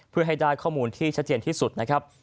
เพื่อให้ได้ข้อมูลที่ชัดเจนที่สุดนะครับ